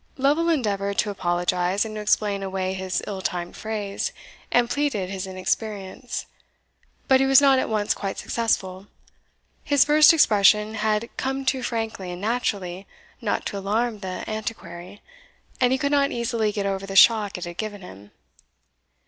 Lovel endeavoured to apologize, and to explain away his ill timed phrase, and pleaded his inexperience. But he was not at once quite successful. His first expression had come too frankly and naturally not to alarm the Antiquary, and he could not easily get over the shock it had given him.